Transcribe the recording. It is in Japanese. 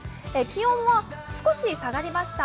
気温は少し下がりました。